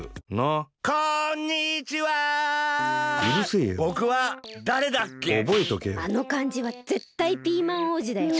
あのかんじはぜったいピーマン王子だよ。